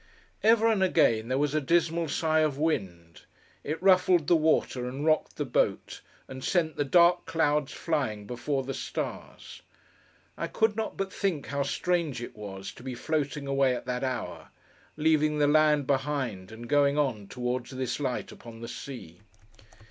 Ever and again, there was a dismal sigh of wind. It ruffled the water, and rocked the boat, and sent the dark clouds flying before the stars. I could not but think how strange it was, to be floating away at that hour: leaving the land behind, and going on, towards this light upon the sea.